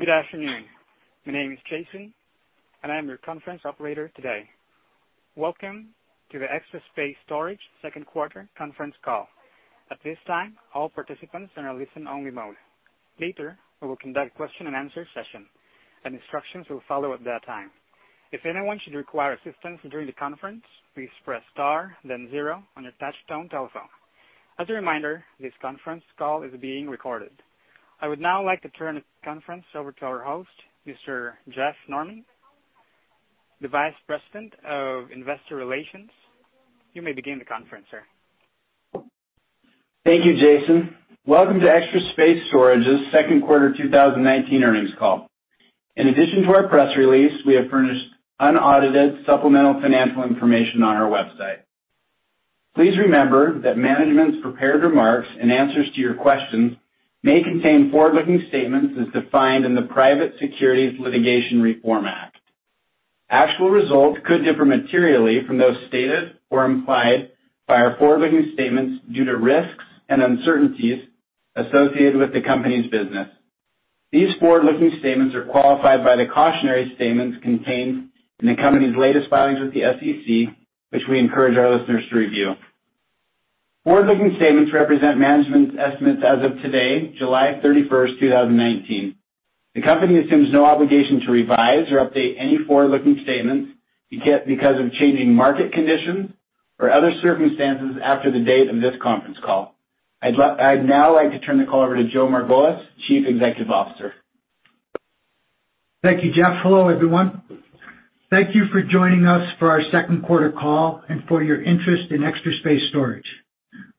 Good afternoon. My name is Jason, and I'm your conference operator today. Welcome to the Extra Space Storage second quarter conference call. At this time, all participants are in listen only mode. Later, we will conduct a question and answer session, and instructions will follow at that time. If anyone should require assistance during the conference, please press Star then zero on your touchtone telephone. As a reminder, this conference call is being recorded. I would now like to turn the conference over to our host, Mr. Jeff Norman, the Vice President of Investor Relations. You may begin the conference, sir. Thank you, Jason. Welcome to Extra Space Storage's second quarter 2019 earnings call. In addition to our press release, we have furnished unaudited supplemental financial information on our website. Please remember that management's prepared remarks and answers to your questions may contain forward-looking statements as defined in the Private Securities Litigation Reform Act. Actual results could differ materially from those stated or implied by our forward-looking statements due to risks and uncertainties associated with the company's business. These forward-looking statements are qualified by the cautionary statements contained in the company's latest filings with the SEC, which we encourage our listeners to review. Forward-looking statements represent management's estimates as of today, July 31st, 2019. The company assumes no obligation to revise or update any forward-looking statements because of changing market conditions or other circumstances after the date of this conference call. I'd now like to turn the call over to Joe Margolis, Chief Executive Officer. Thank you, Jeff. Hello, everyone. Thank you for joining us for our second quarter call and for your interest in Extra Space Storage.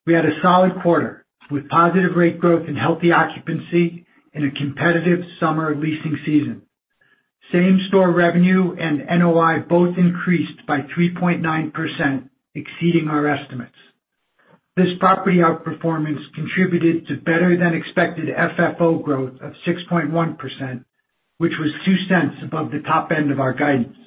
We had a solid quarter with positive rate growth and healthy occupancy in a competitive summer leasing season. Same-store revenue and NOI both increased by 3.9%, exceeding our estimates. This property outperformance contributed to better than expected FFO growth of 6.1%, which was $0.02 above the top end of our guidance.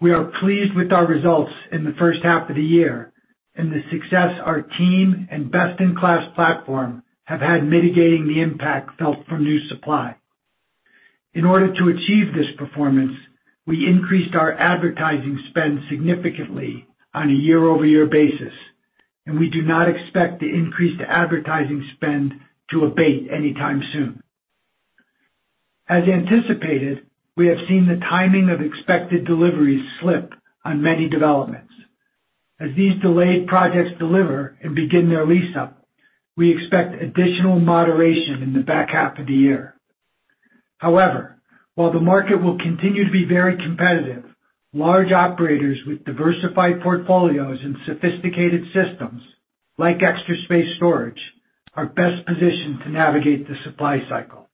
We are pleased with our results in the first half of the year and the success our team and best-in-class platform have had mitigating the impact felt from new supply. In order to achieve this performance, we increased our advertising spend significantly on a year-over-year basis, and we do not expect the increased advertising spend to abate anytime soon. As anticipated, we have seen the timing of expected deliveries slip on many developments. As these delayed projects deliver and begin their lease-up, we expect additional moderation in the back half of the year. While the market will continue to be very competitive, large operators with diversified portfolios and sophisticated systems, like Extra Space Storage, are best positioned to navigate the supply cycle.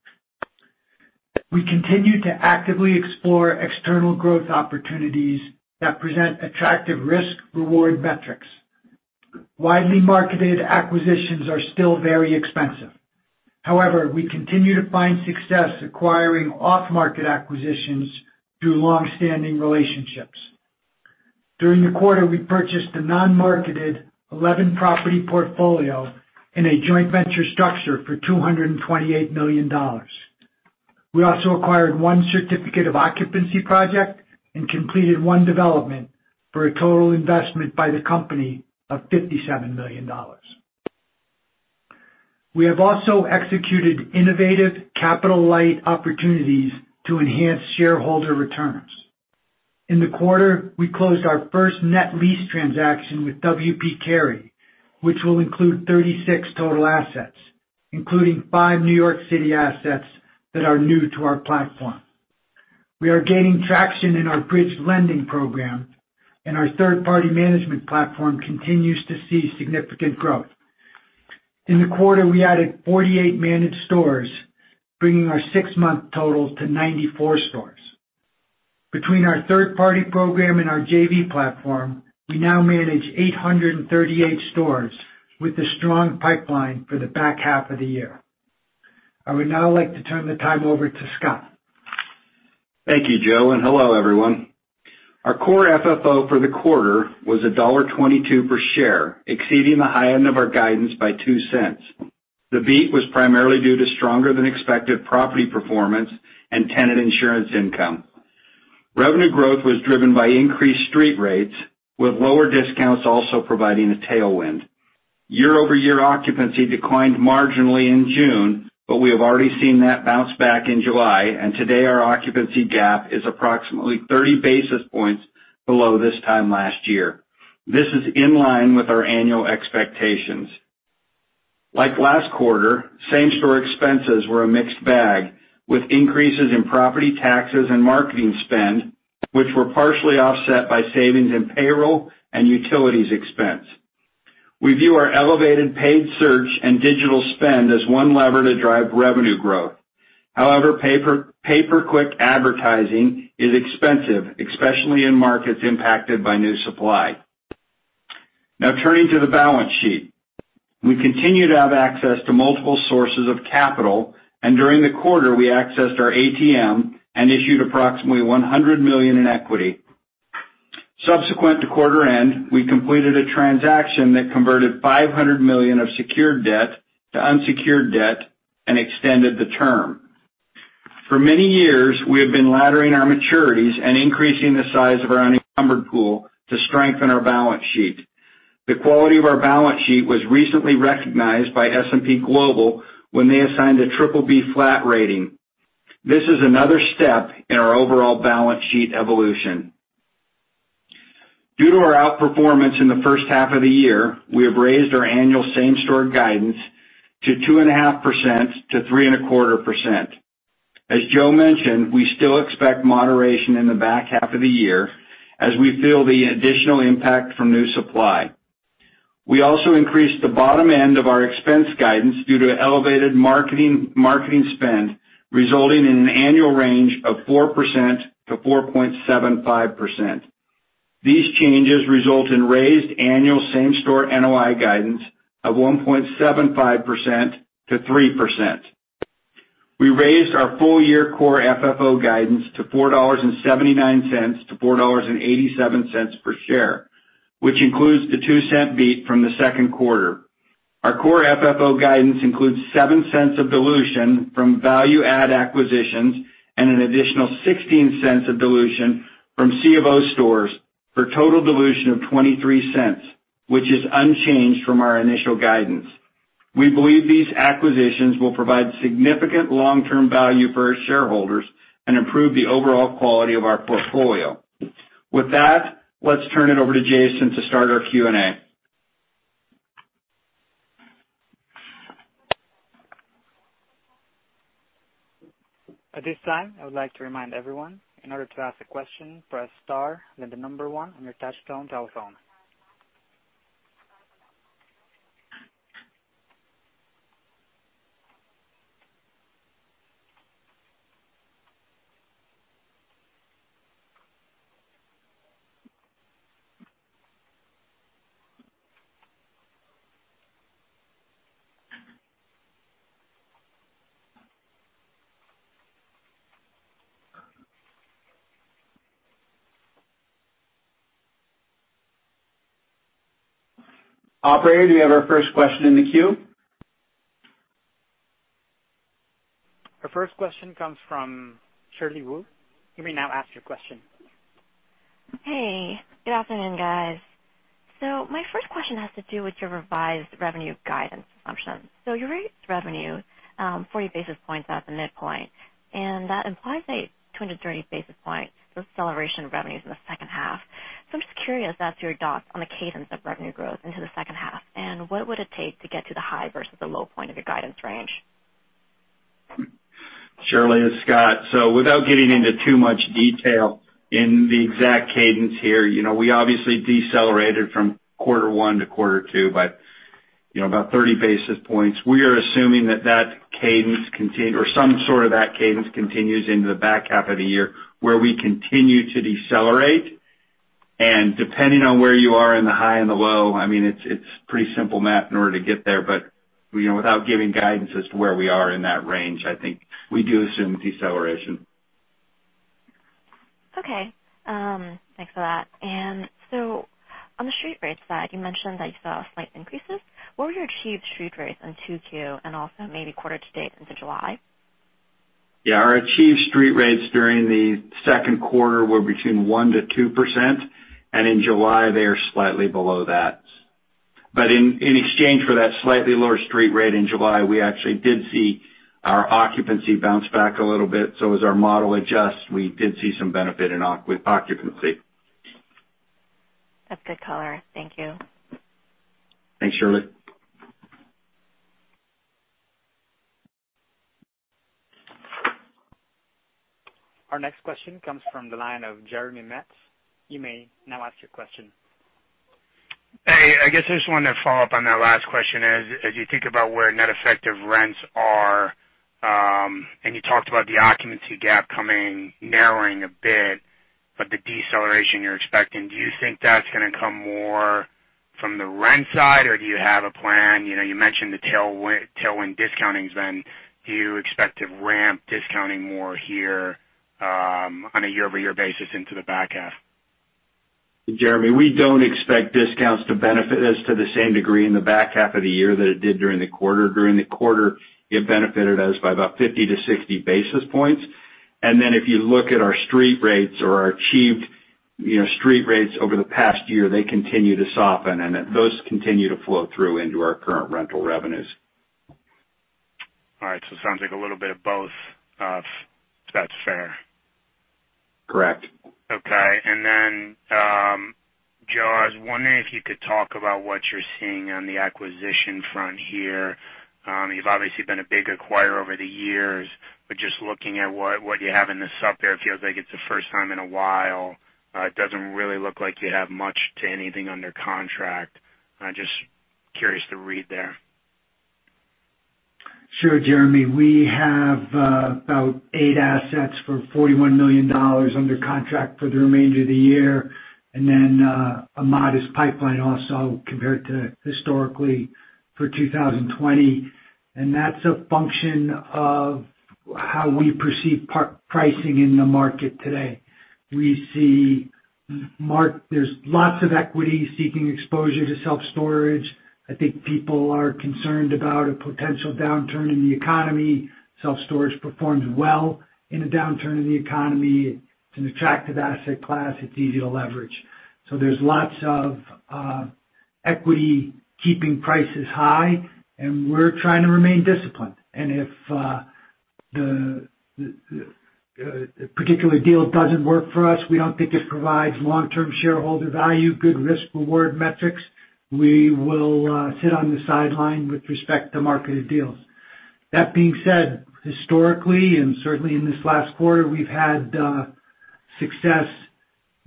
We continue to actively explore external growth opportunities that present attractive risk/reward metrics. Widely marketed acquisitions are still very expensive. We continue to find success acquiring off-market acquisitions through longstanding relationships. During the quarter, we purchased a non-marketed 11-property portfolio in a joint venture structure for $228 million. We also acquired one certificate of occupancy project and completed one development for a total investment by the company of $57 million. We have also executed innovative capital-light opportunities to enhance shareholder returns. In the quarter, we closed our first net lease transaction with W. P. Carey, which will include 36 total assets, including five New York City assets that are new to our platform. We are gaining traction in our bridge lending program, and our third-party management platform continues to see significant growth. In the quarter, we added 48 managed stores, bringing our six-month total to 94 stores. Between our third-party program and our JV platform, we now manage 838 stores with a strong pipeline for the back half of the year. I would now like to turn the time over to Scott. Thank you, Joe, and hello, everyone. Our core FFO for the quarter was $1.22 per share, exceeding the high end of our guidance by $0.02. The beat was primarily due to stronger than expected property performance and tenant insurance income. Revenue growth was driven by increased street rates, with lower discounts also providing a tailwind. Year-over-year occupancy declined marginally in June, but we have already seen that bounce back in July, and today, our occupancy gap is approximately 30 basis points below this time last year. This is in line with our annual expectations. Like last quarter, same-store expenses were a mixed bag, with increases in property taxes and marketing spend, which were partially offset by savings in payroll and utilities expense. We view our elevated paid search and digital spend as one lever to drive revenue growth. However, pay-per-click advertising is expensive, especially in markets impacted by new supply. Turning to the balance sheet. We continue to have access to multiple sources of capital, and during the quarter, we accessed our ATM and issued approximately $100 million in equity Subsequent to quarter end, we completed a transaction that converted $500 million of secured debt to unsecured debt and extended the term. For many years, we have been laddering our maturities and increasing the size of our unencumbered pool to strengthen our balance sheet. The quality of our balance sheet was recently recognized by S&P Global when they assigned a triple B flat rating. This is another step in our overall balance sheet evolution. Due to our outperformance in the first half of the year, we have raised our annual same-store guidance to 2.5%-3.25%. As Joe mentioned, we still expect moderation in the back half of the year as we feel the additional impact from new supply. We also increased the bottom end of our expense guidance due to elevated marketing spend, resulting in an annual range of 4%-4.75%. These changes result in raised annual same-store NOI guidance of 1.75%-3%. We raised our full-year core FFO guidance to $4.79-$4.87 per share, which includes the $0.02 beat from the second quarter. Our core FFO guidance includes $0.07 of dilution from value add acquisitions and an additional $0.16 of dilution from C of O stores, for a total dilution of $0.23, which is unchanged from our initial guidance. We believe these acquisitions will provide significant long-term value for our shareholders and improve the overall quality of our portfolio. With that, let's turn it over to Jason to start our Q&A. At this time, I would like to remind everyone, in order to ask a question, press star, then the number one on your touchtone telephone. Operator, do we have our first question in the queue? Our first question comes from Shirley Wu. You may now ask your question. Hey, good afternoon, guys. My first question has to do with your revised revenue guidance assumption. You raised revenue 40 basis points at the midpoint, and that implies a 20-30 basis point deceleration of revenues in the second half. I'm just curious as to your thoughts on the cadence of revenue growth into the second half, and what would it take to get to the high versus the low point of your guidance range? Shirley, it's Scott. Without getting into too much detail in the exact cadence here, we obviously decelerated from quarter one to quarter two by about 30 basis points. We are assuming that that cadence continues, or some sort of that cadence continues into the back half of the year, where we continue to decelerate. Depending on where you are in the high and the low, it's pretty simple math in order to get there. Without giving guidance as to where we are in that range, I think we do assume deceleration. Okay. Thanks for that. On the street rates side, you mentioned that you saw slight increases. What were your achieved street rates in 2Q and also maybe quarter to date into July? Our achieved street rates during the second quarter were between 1%-2%. In July, they are slightly below that. In exchange for that slightly lower street rate in July, we actually did see our occupancy bounce back a little bit. As our model adjusts, we did see some benefit in occupancy. That's good color. Thank you. Thanks, Shirley. Our next question comes from the line of Jeremy Metz. You may now ask your question. Hey, I guess I just wanted to follow up on that last question. As you think about where net effective rents are, and you talked about the occupancy gap coming, narrowing a bit, but the deceleration you're expecting, do you think that's going to come more from the rent side, or do you have a plan? You mentioned the tailwind discountings then. Do you expect to ramp discounting more here on a year-over-year basis into the back half? Jeremy, we don't expect discounts to benefit us to the same degree in the back half of the year that it did during the quarter. During the quarter, it benefited us by about 50 to 60 basis points. If you look at our street rates or our achieved street rates over the past year, they continue to soften, and those continue to flow through into our current rental revenues. All right. Sounds like a little bit of both. If that's fair. Correct. Okay. Joe, I was wondering if you could talk about what you're seeing on the acquisition front here. You've obviously been a big acquirer over the years, but just looking at what you have in the sup here, it feels like it's the first time in a while. It doesn't really look like you have much to anything under contract. I'm just curious to read there. Sure, Jeremy. We have about eight assets for $41 million under contract for the remainder of the year. Then a modest pipeline also compared to historically for 2020. That's a function of how we perceive pricing in the market today. We see there's lots of equity seeking exposure to self-storage. I think people are concerned about a potential downturn in the economy. Self-storage performs well in a downturn in the economy. It's an attractive asset class. It's easy to leverage. There's lots of equity keeping prices high, and we're trying to remain disciplined. If a particular deal doesn't work for us, we don't think it provides long-term shareholder value, good risk-reward metrics, we will sit on the sideline with respect to marketed deals. That being said, historically, and certainly in this last quarter, we've had success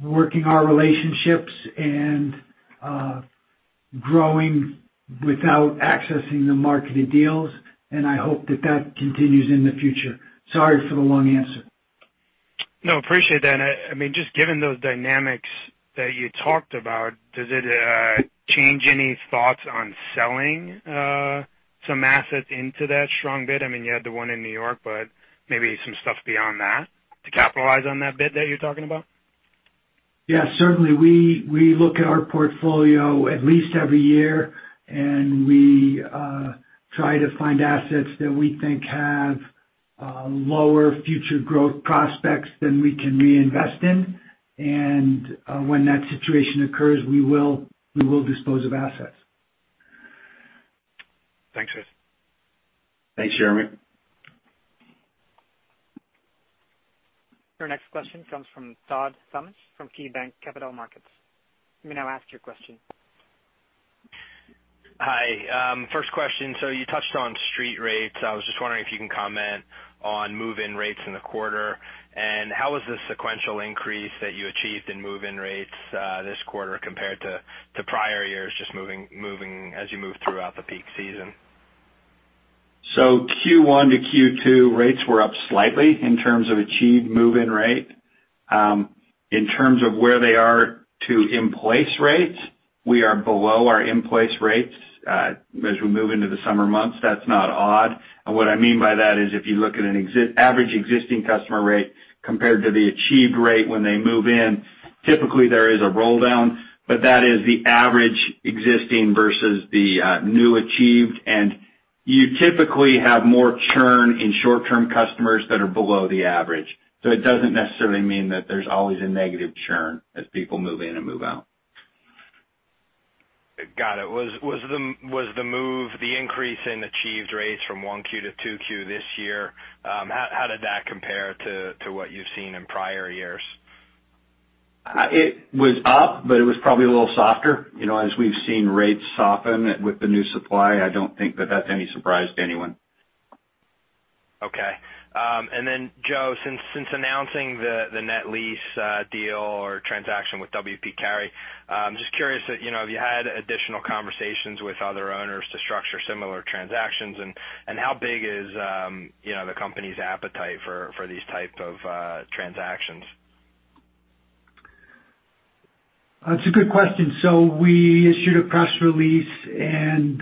working our relationships and growing without accessing the marketed deals, and I hope that that continues in the future. Sorry for the long answer. No, appreciate that. Just given those dynamics that you talked about, does it change any thoughts on selling some assets into that strong bid? You had the one in New York, but maybe some stuff beyond that to capitalize on that bid that you're talking about. Yeah, certainly. We look at our portfolio at least every year, and we try to find assets that we think have lower future growth prospects than we can reinvest in. When that situation occurs, we will dispose of assets. Thanks, guys. Thanks, Jeremy. Your next question comes from Todd Thomas from KeyBanc Capital Markets. You may now ask your question. Hi. First question, you touched on street rates. I was just wondering if you can comment on move-in rates in the quarter, and how was the sequential increase that you achieved in move-in rates this quarter compared to prior years, just moving as you move throughout the peak season? Q1 to Q2, rates were up slightly in terms of achieved move-in rate. In terms of where they are to in-place rates, we are below our in-place rates. As we move into the summer months, that's not odd. What I mean by that is if you look at an average existing customer rate compared to the achieved rate when they move in, typically there is a roll-down, but that is the average existing versus the new achieved, and you typically have more churn in short-term customers that are below the average. It doesn't necessarily mean that there's always a negative churn as people move in and move out. Got it. Was the move, the increase in achieved rates from 1Q to 2Q this year, how did that compare to what you've seen in prior years? It was up, but it was probably a little softer. As we've seen rates soften with the new supply, I don't think that that's any surprise to anyone. Okay. Joe, since announcing the net lease deal or transaction with W. P. Carey, I'm just curious if you had additional conversations with other owners to structure similar transactions and how big is the company's appetite for these type of transactions? That's a good question. We issued a press release, and,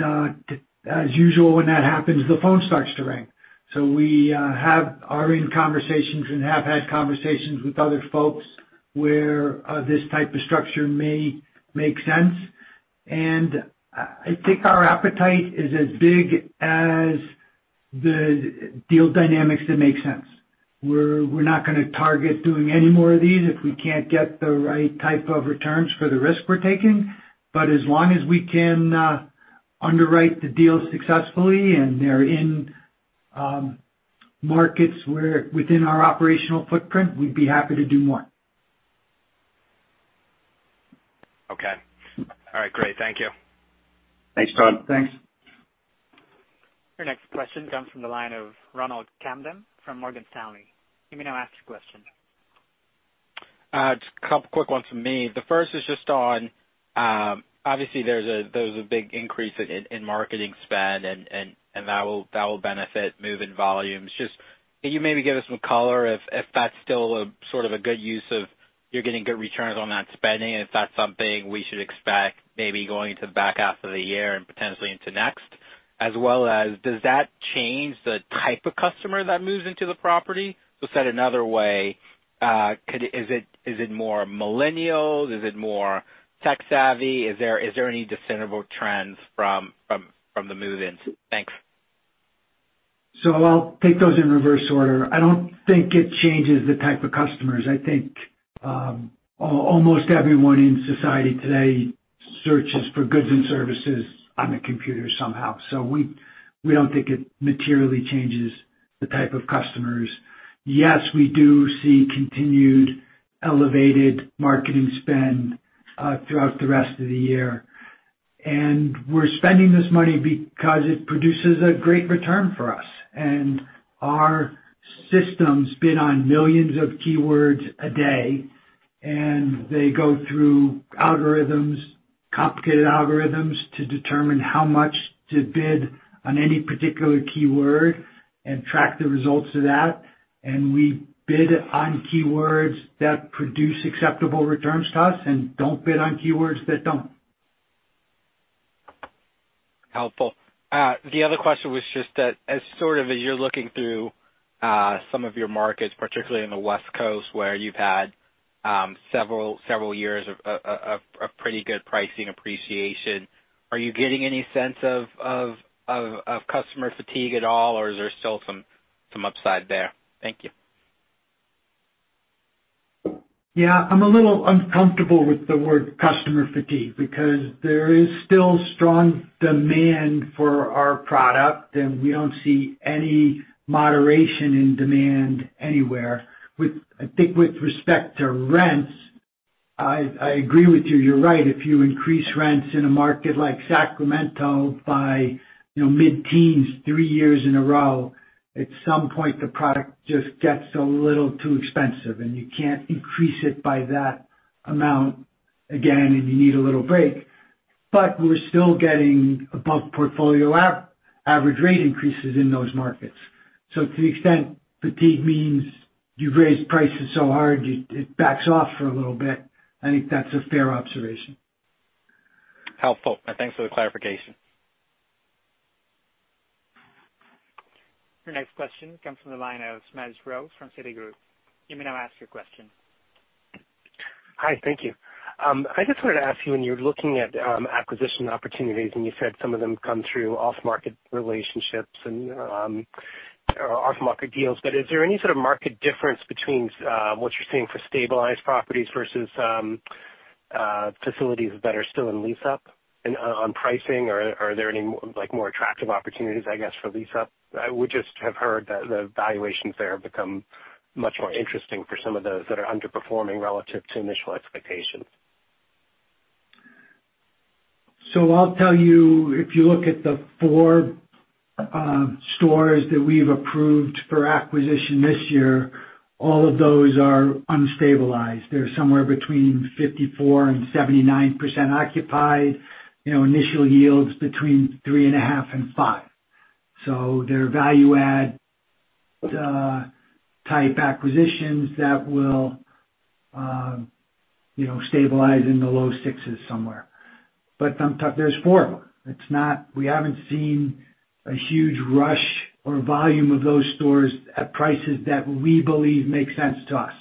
as usual, when that happens, the phone starts to ring. We are in conversations and have had conversations with other folks where this type of structure may make sense. I think our appetite is as big as the deal dynamics that make sense. We're not going to target doing any more of these if we can't get the right type of returns for the risk we're taking. As long as we can underwrite the deal successfully and they're in markets within our operational footprint, we'd be happy to do more. Okay. All right. Great. Thank you. Thanks, Todd. Thanks. Your next question comes from the line of Ronald Kamden from Morgan Stanley. You may now ask your question. A couple quick ones from me. The first is just on, obviously there's a big increase in marketing spend, and that will benefit move-in volumes. Can you maybe give us some color if that's still a good use of you're getting good returns on that spending, and if that's something we should expect maybe going into the back half of the year and potentially into next? Does that change the type of customer that moves into the property? Said another way, is it more millennials? Is it more tech-savvy? Is there any discernible trends from the move-ins? Thanks. I'll take those in reverse order. I don't think it changes the type of customers. I think almost everyone in society today searches for goods and services on a computer somehow. We don't think it materially changes the type of customers. Yes, we do see continued elevated marketing spend throughout the rest of the year. We're spending this money because it produces a great return for us. Our systems bid on millions of keywords a day, and they go through algorithms, complicated algorithms, to determine how much to bid on any particular keyword and track the results of that. We bid on keywords that produce acceptable returns to us and don't bid on keywords that don't. Helpful. The other question was just that as you're looking through some of your markets, particularly in the West Coast, where you've had several years of pretty good pricing appreciation, are you getting any sense of customer fatigue at all, or is there still some upside there? Thank you. I'm a little uncomfortable with the word customer fatigue because there is still strong demand for our product, and we don't see any moderation in demand anywhere. I think with respect to rents, I agree with you. You're right. If you increase rents in a market like Sacramento by mid-teens three years in a row, at some point, the product just gets a little too expensive, and you can't increase it by that amount again, and you need a little break. We're still getting above portfolio average rate increases in those markets. To the extent fatigue means you raise prices so hard it backs off for a little bit, I think that's a fair observation. Helpful. Thanks for the clarification. Your next question comes from the line of Samir Siro from Citigroup. You may now ask your question. Hi, thank you. I just wanted to ask you, when you're looking at acquisition opportunities, and you said some of them come through off-market relationships and off-market deals, but is there any sort of market difference between what you're seeing for stabilized properties versus facilities that are still in lease-up and on pricing? Are there any more attractive opportunities, I guess, for lease-up? We just have heard that the valuations there have become much more interesting for some of those that are underperforming relative to initial expectations. I'll tell you, if you look at the four stores that we've approved for acquisition this year, all of those are unstabilized. They're somewhere between 54%-79% occupied. Initial yields between 3.5% and 5%. They're value-add type acquisitions that will stabilize in the low 6s somewhere. But there's four of them. We haven't seen a huge rush or volume of those stores at prices that we believe make sense to us.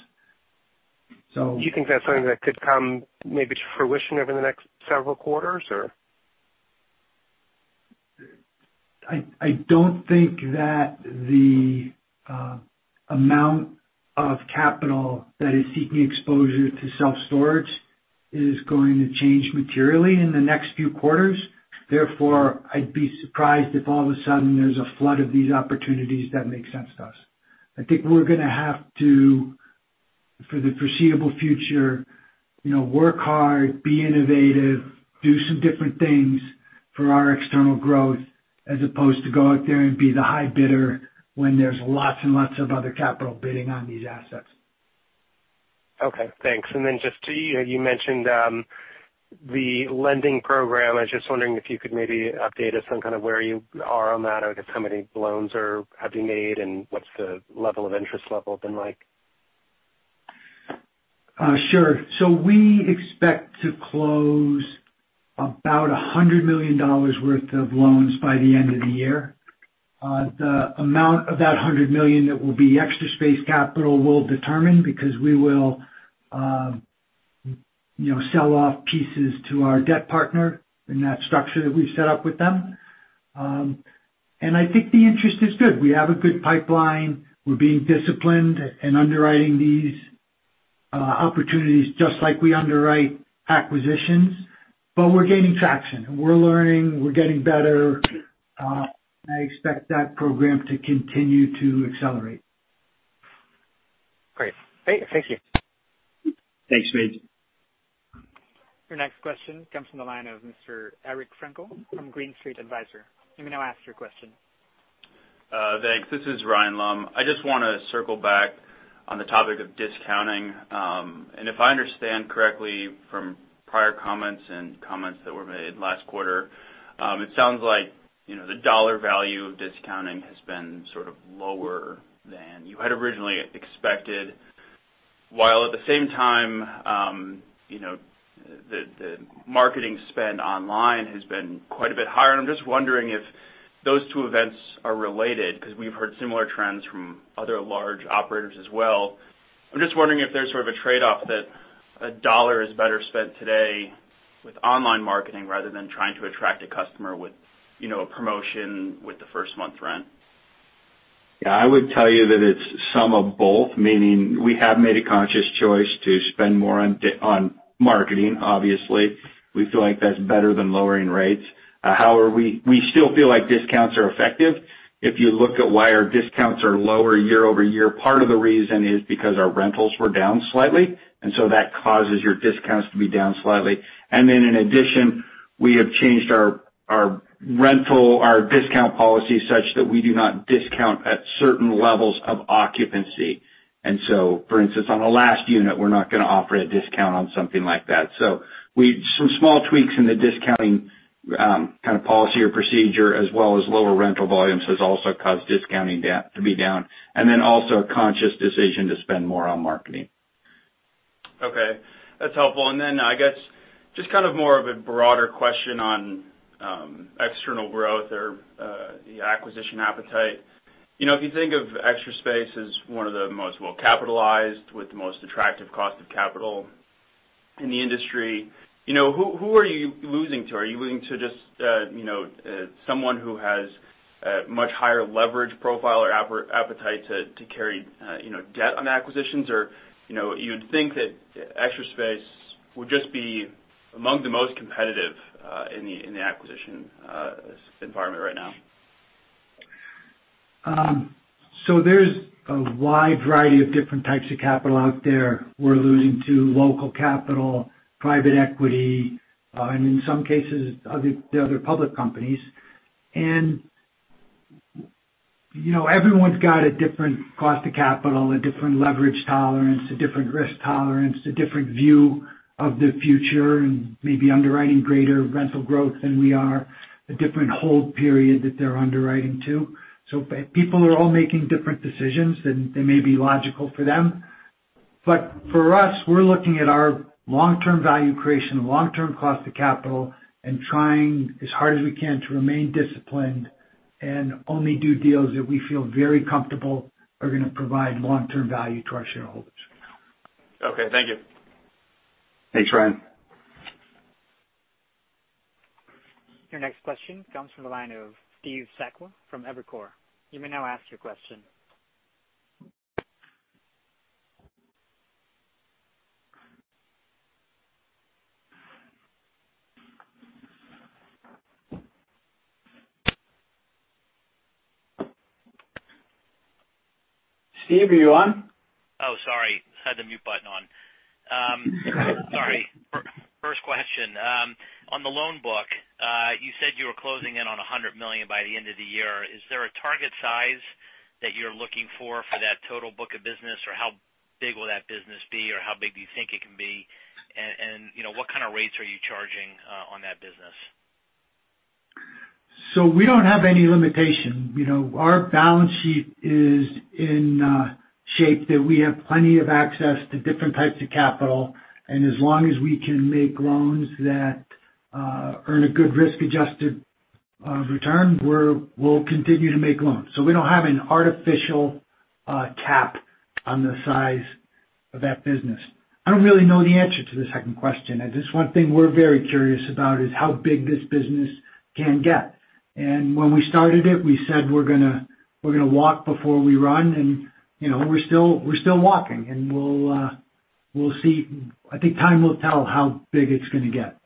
Do you think that's something that could come maybe to fruition over the next several quarters or? I don't think that the amount of capital that is seeking exposure to self-storage is going to change materially in the next few quarters. Therefore, I'd be surprised if all of a sudden there's a flood of these opportunities that make sense to us. I think we're going to have to, for the foreseeable future, work hard, be innovative, do some different things for our external growth, as opposed to go out there and be the high bidder when there's lots and lots of other capital bidding on these assets. Okay, thanks. Just you mentioned the bridge lending program. I was just wondering if you could maybe update us on kind of where you are on that or just how many loans have you made, and what's the level of interest level been like? Sure. We expect to close about $100 million worth of loans by the end of the year. The amount of that $100 million that will be Extra Space Capital will determine because we will sell off pieces to our debt partner in that structure that we've set up with them. I think the interest is good. We have a good pipeline. We're being disciplined in underwriting these opportunities just like we underwrite acquisitions, but we're gaining traction. We're learning. We're getting better. I expect that program to continue to accelerate. Great. Thank you. Thanks, Samir. Your next question comes from the line of Mr. Eric Frankel from Green Street Advisors. You may now ask your question. Thanks. This is Ryan Lumb. I just want to circle back on the topic of discounting. If I understand correctly from prior comments and comments that were made last quarter, it sounds like the dollar value of discounting has been sort of lower than you had originally expected. At the same time, the marketing spend online has been quite a bit higher, and I'm just wondering if those two events are related because we've heard similar trends from other large operators as well. I'm just wondering if there's sort of a trade-off that a dollar is better spent today with online marketing rather than trying to attract a customer with a promotion with the first month rent. Yeah, I would tell you that it's some of both, meaning we have made a conscious choice to spend more on marketing, obviously. We feel like that's better than lowering rates. However, we still feel like discounts are effective. If you look at why our discounts are lower year-over-year, part of the reason is because our rentals were down slightly, that causes your discounts to be down slightly. In addition, we have changed our discount policy such that we do not discount at certain levels of occupancy. For instance, on a last unit, we're not going to offer a discount on something like that. Some small tweaks in the discounting kind of policy or procedure as well as lower rental volumes has also caused discounting to be down, also a conscious decision to spend more on marketing. Okay, that's helpful. Then I guess just kind of more of a broader question on external growth or the acquisition appetite. If you think of Extra Space as one of the most well-capitalized with the most attractive cost of capital in the industry, who are you losing to? Are you losing to just someone who has a much higher leverage profile or appetite to carry debt on acquisitions? Or you'd think that Extra Space would just be among the most competitive in the acquisition environment right now? There's a wide variety of different types of capital out there. We're losing to local capital, private equity, and in some cases, the other public companies. Everyone's got a different cost of capital, a different leverage tolerance, a different risk tolerance, a different view of the future, and maybe underwriting greater rental growth than we are, a different hold period that they're underwriting to. People are all making different decisions, and they may be logical for them. For us, we're looking at our long-term value creation, long-term cost of capital, and trying as hard as we can to remain disciplined and only do deals that we feel very comfortable are going to provide long-term value to our shareholders. Okay, thank you. Thanks, Ryan. Your next question comes from the line of Steve Sakwa from Evercore. You may now ask your question. Steve, are you on? Oh, sorry. Had the mute button on. Sorry. First question, on the loan book, you said you were closing in on $100 million by the end of the year. Is there a target size that you're looking for that total book of business? How big will that business be? How big do you think it can be? What kind of rates are you charging on that business? We don't have any limitation. Our balance sheet is in a shape that we have plenty of access to different types of capital, and as long as we can make loans that earn a good risk-adjusted return, we'll continue to make loans. We don't have an artificial cap on the size of that business. I don't really know the answer to the second question. That is one thing we're very curious about, is how big this business can get. When we started it, we said we're going to walk before we run and we're still walking, and we'll see. I think time will tell how big it's going to get.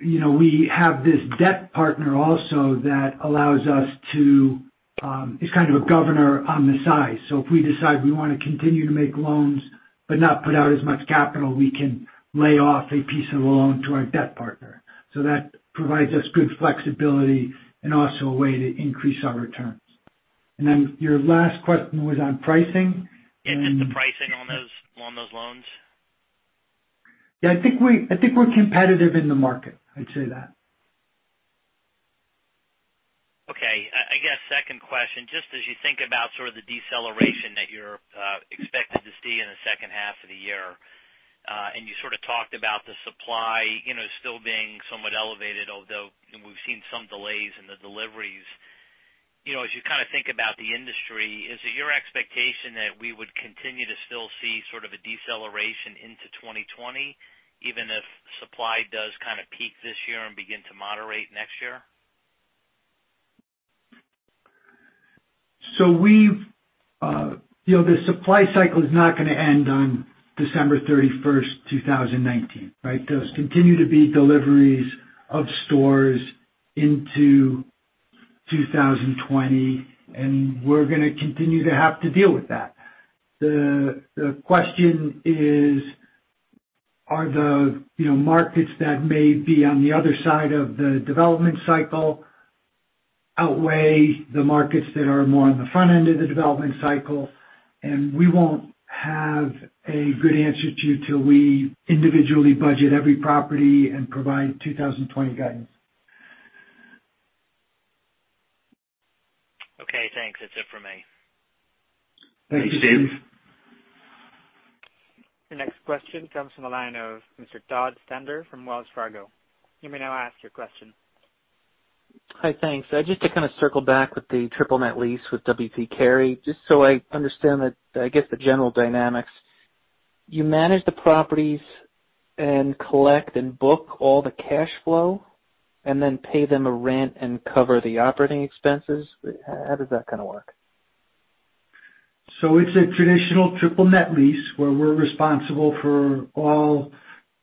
We have this debt partner also that allows us to. It's kind of a governor on the side. If we decide we want to continue to make loans but not put out as much capital, we can lay off a piece of the loan to our debt partner. That provides us good flexibility and also a way to increase our returns. Yeah, just the pricing on those loans. Yeah, I think we're competitive in the market, I'd say that. I guess second question, just as you think about sort of the deceleration that you're expected to see in the second half of the year, and you sort of talked about the supply still being somewhat elevated, although we've seen some delays in the deliveries. As you kind of think about the industry, is it your expectation that we would continue to still see sort of a deceleration into 2020, even if supply does kind of peak this year and begin to moderate next year? The supply cycle is not going to end on December 31st, 2019, right? There's continue to be deliveries of stores into 2020. We're going to continue to have to deal with that. The question is, are the markets that may be on the other side of the development cycle outweigh the markets that are more on the front end of the development cycle? We won't have a good answer to you till we individually budget every property and provide 2020 guidance. Okay, thanks. That's it for me. Thank you, Steve. Your next question comes from the line of Mr. Todd Stender from Wells Fargo. You may now ask your question. Hi. Thanks. Just to kind of circle back with the triple net lease with W. P. Carey, just so I understand, I guess the general dynamics. You manage the properties and collect and book all the cash flow, and then pay them a rent and cover the operating expenses? How does that kind of work? It's a traditional triple net lease where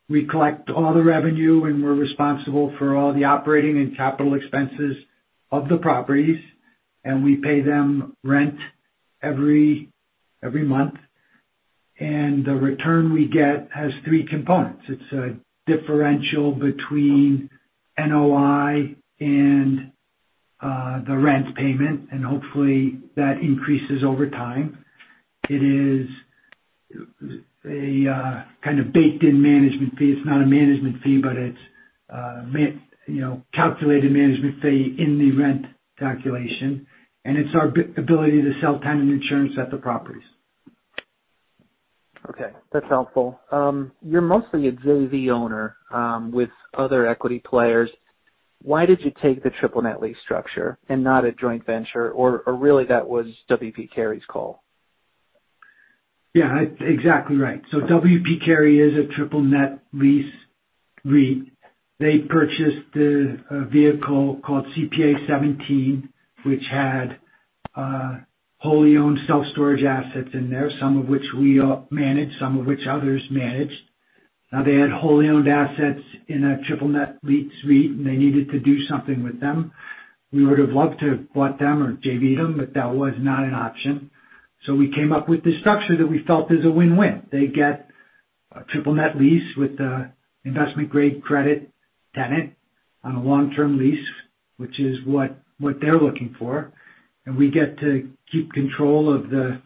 we collect all the revenue, and we're responsible for all the operating and capital expenses of the properties, and we pay them rent every month. The return we get has three components. It's a differential between NOI and the rent payment, and hopefully, that increases over time. It is a kind of baked-in management fee. It's not a management fee, but it's a calculated management fee in the rent calculation, and it's our ability to sell tenant insurance at the properties. Okay, that's helpful. You're mostly a JV owner with other equity players. Why did you take the triple net lease structure and not a joint venture? Or really that was W. P. Carey's call? Yeah, exactly right. W. P. Carey is a triple net lease REIT. They purchased a vehicle called CPA:17, which had wholly-owned self-storage assets in there, some of which we all manage, some of which others manage. They had wholly-owned assets in a triple net lease REIT, and they needed to do something with them. We would've loved to bought them or JV'd them, but that was not an option. We came up with the structure that we felt is a win-win. They get a triple net lease with a investment-grade credit tenant on a long-term lease, which is what they're looking for, and we get to keep control of the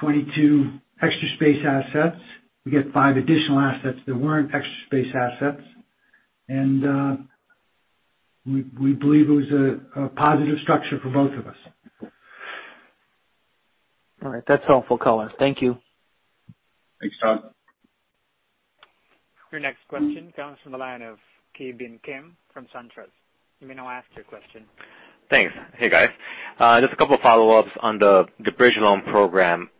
22 Extra Space assets. We get five additional assets that weren't Extra Space assets. We believe it was a positive structure for both of us. All right. That's helpful, color. Thank you. Thanks, Todd. Your next question comes from the line of Ki Bin Kim from SunTrust. You may now ask your question. Thanks. Hey, guys. Just a couple follow-ups on the bridge loan program.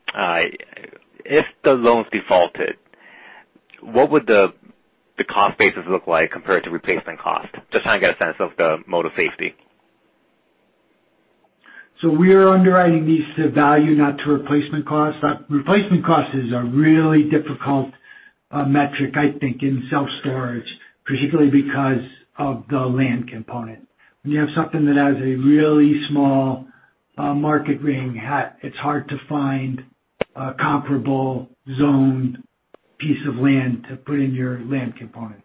If the loans defaulted, what would the cost basis look like compared to replacement cost? Just trying to get a sense of the mode of safety. We are underwriting these to value, not to replacement cost. Replacement costs is a really difficult metric, I think, in self-storage, particularly because of the land component. When you have something that has a really small market ring hat, it's hard to find a comparable zoned piece of land to put in your land component.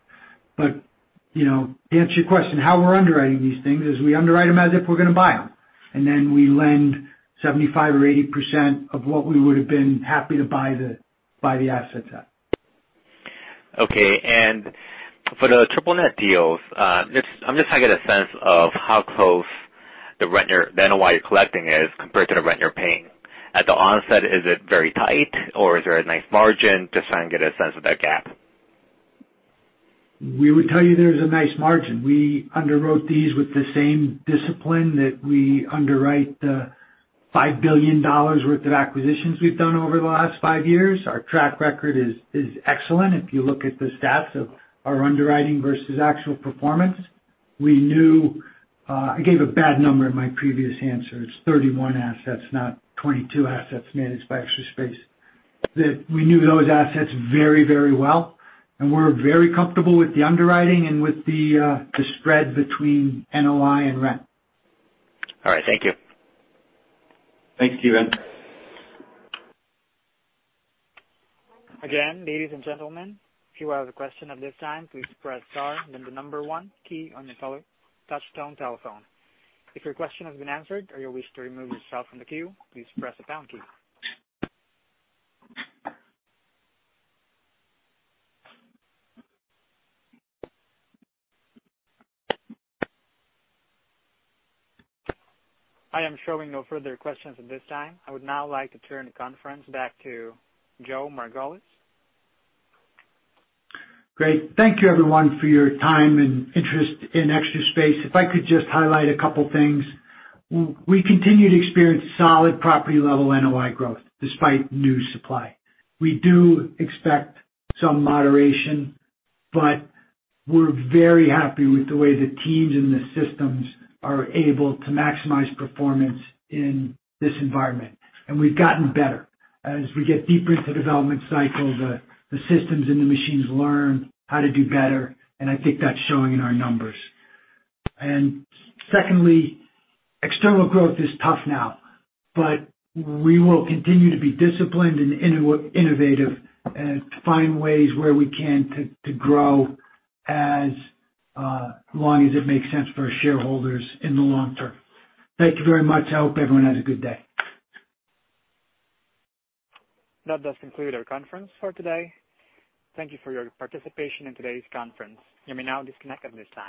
To answer your question, how we're underwriting these things is we underwrite them as if we're going to buy them, and then we lend 75% or 80% of what we would've been happy to buy the assets at. Okay. For the triple net deals, I'm just trying to get a sense of how close the NOI you're collecting is compared to the rent you're paying. At the onset, is it very tight, or is there a nice margin? Just trying to get a sense of that gap. We would tell you there's a nice margin. We underwrote these with the same discipline that we underwrite the $5 billion worth of acquisitions we've done over the last 5 years. Our track record is excellent if you look at the stats of our underwriting versus actual performance. I gave a bad number in my previous answer. It's 31 assets, not 22 assets managed by Extra Space. That we knew those assets very, very well, and we're very comfortable with the underwriting and with the spread between NOI and rent. All right. Thank you. Thanks, Ki Bin. Again, ladies and gentlemen, if you have a question at this time, please press star then the number one key on your touchtone telephone. If your question has been answered, or you wish to remove yourself from the queue, please press the pound key. I am showing no further questions at this time. I would now like to turn the conference back to Joe Margolis. Great. Thank you, everyone, for your time and interest in Extra Space. If I could just highlight a couple things. We continue to experience solid property-level NOI growth despite new supply. We do expect some moderation, but we're very happy with the way the teams and the systems are able to maximize performance in this environment, and we've gotten better. As we get deeper into the development cycle, the systems and the machines learn how to do better, and I think that's showing in our numbers. Secondly, external growth is tough now, but we will continue to be disciplined and innovative to find ways where we can to grow as long as it makes sense for our shareholders in the long term. Thank you very much. I hope everyone has a good day. That does conclude our conference for today. Thank you for your participation in today's conference. You may now disconnect at this time.